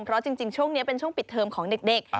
เพราะจริงช่วงนี้เป็นช่วงปิดเทอมของเด็ก